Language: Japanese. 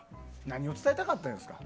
何を伝えたかったんですか？